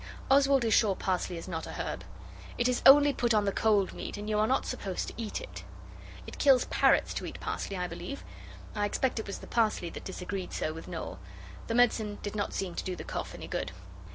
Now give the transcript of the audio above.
Oswald is sure parsley is not a herb. It is only put on the cold meat and you are not supposed to eat it. It kills parrots to eat parsley, I believe. I expect it was the parsley that disagreed so with Noel. The medicine did not seem to do the cough any good.